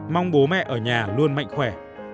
mong bố mẹ ở nhà luôn mạnh khỏe